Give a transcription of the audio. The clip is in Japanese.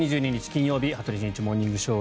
金曜日「羽鳥慎一モーニングショー」。